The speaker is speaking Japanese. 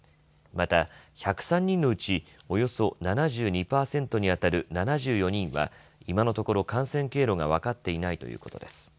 また、１０３人のうちおよそ７２パーセントにあたる７４人は、今のところ感染経路が分かっていないということです。